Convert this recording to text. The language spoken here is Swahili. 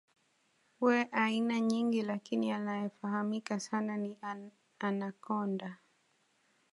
wa aina nyingi lakini anayefahamika sana ni Anacconda